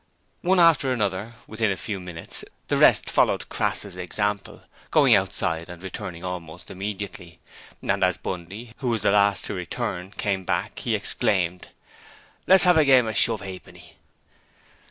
One after the other, within a few minutes, the rest followed Crass's example, going outside and returning almost immediately: and as Bundy, who was the last to return, came back he exclaimed: 'Let's 'ave a game of shove 'a'penny.'